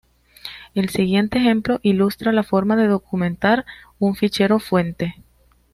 El siguiente ejemplo ilustra la forma de documentar un fichero fuente.